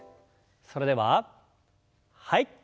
それでははい。